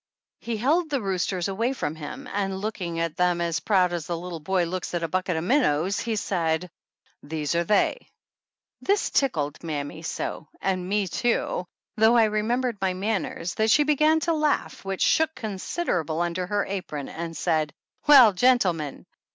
He held the roosters away from him and, looking at them as proud as a little boy looks at a bucket of minnows, he said : "These are they !" This tickled mammy so, and me too, though I remembered my manners, that she began to laugh, which shook considerable under her apron, and said : "Well, gentlemen!